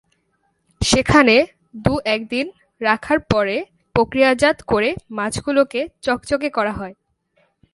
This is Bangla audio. সেখানে দু-এক দিন রাখার পরে প্রক্রিয়াজাত করে মাছগুলোকে চকচকে করা হয়।